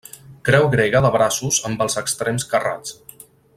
Creu grega de braços amb els extrems carrats.